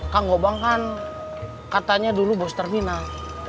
kang gobang kan katanya dulu bos terminal